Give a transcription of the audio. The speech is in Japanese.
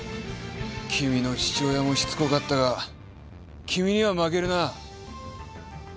君の父親もしつこかったが君には負けるな。